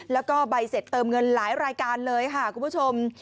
แล้วก็ใบเสร็จเติมเงินหลายรายการเลยค่ะคุณผู้ชม